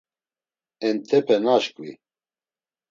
Entepe naşkvi.